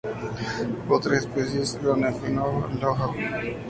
Otras especias son el hinojo o el ajo.